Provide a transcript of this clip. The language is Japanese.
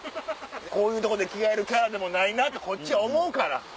こういうとこで着替えるキャラでもないなって思うから。